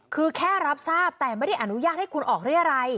คือแค่รับทราบแต่ไม่ได้อนุญาตให้คุณออกเรียรัย